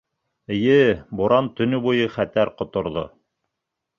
Эйе, буран төнө буйы хәтәр ҡоторҙо.